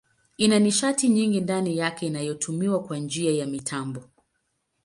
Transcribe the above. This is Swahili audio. Ina nishati nyingi ndani yake inayotumiwa kwa njia ya mitambo.